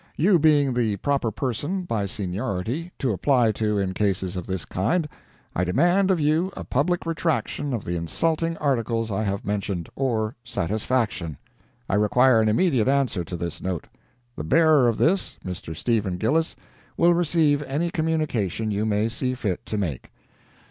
You being the proper person, by seniority, to apply to in cases of this kind, I demand of you a public retraction of the insulting articles I have mentioned, or satisfaction. I require an immediate answer to this note. The bearer of this—Mr. Stephen Gillis—will receive any communication you may see fit to make.